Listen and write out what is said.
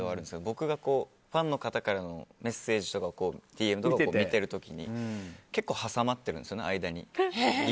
僕がファンの方からのメッセージとかＤＭを見ている時に結構間に挟まってるんですよね。